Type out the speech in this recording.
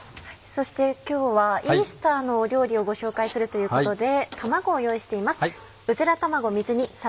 そして今日はイースターの料理をご紹介するということで卵を用意しています。